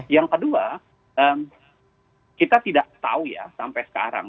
yang kedua kita tidak tahu ya sampai sekarang